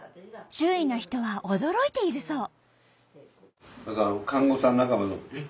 周囲の人は驚いているそう。